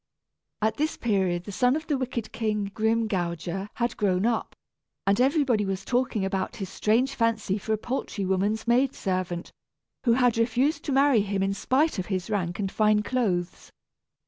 At this period the son of the wicked King Grimgouger had grown up, and everybody was talking about his strange fancy for a poultry woman's maid servant, who had refused to marry him in spite of his rank and fine clothes.